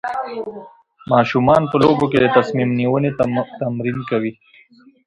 ماشومان په لوبو کې د تصمیم نیونې تمرین کوي.